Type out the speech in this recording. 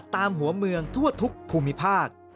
ตามหัวเมืองทั่วทุกภูมิภาค